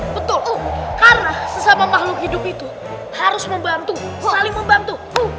betul karena sesama makhluk hidup itu harus membantu saling membantu